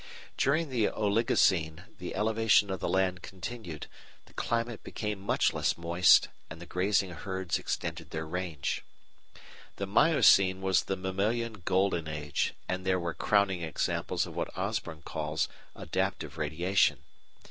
During the Oligocene the elevation of the land continued, the climate became much less moist, and the grazing herds extended their range. The Miocene was the mammalian Golden Age and there were crowning examples of what Osborn calls "adaptive radiation."